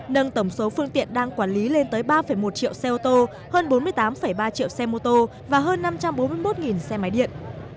nâng tổng số phương tiện đang quản lý lên tới ba một triệu xe ô tô hơn bốn mươi tám ba triệu xe mô tô và hơn năm trăm bốn mươi một xe máy điện